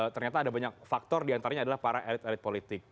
ternyata ada banyak faktor diantaranya adalah para elit elit politik